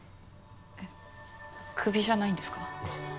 えっクビじゃないんですか？